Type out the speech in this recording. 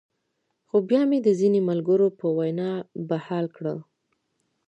خو بيا مې د ځينې ملګرو پۀ وېنا بحال کړۀ -